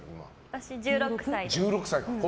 私１６歳です。